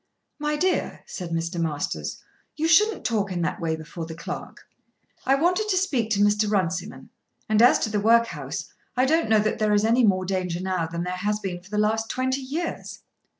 "My dear," said Mr. Masters, "you shouldn't talk in that way before the clerk. I wanted to speak to Mr. Runciman, and, as to the workhouse, I don't know that there is any more danger now than there has been for the last twenty years."